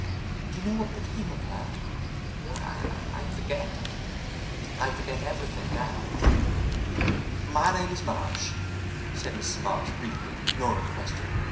Do you know what became of her? I forget. I forget everything now." "My name is March," said Mrs. March briefly, ignoring the question.